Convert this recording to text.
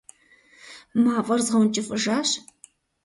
Мафӏэр згъэункӏыфӏыжащ.